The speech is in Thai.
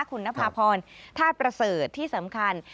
คุณนภาพรธาตุประเสริฐที่สำคัญ